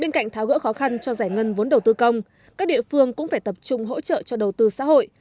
bên cạnh tháo gỡ khó khăn cho giải ngân vốn đầu tư công các địa phương cũng phải tập trung hỗ trợ cho đầu tư xã hội